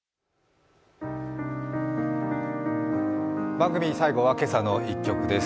番組最後は「けさの１曲」です